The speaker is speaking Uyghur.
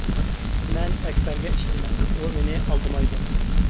مەن ئەكبەرگە ئىشىنىمەن، ئۇ مېنى ئالدىمايدۇ.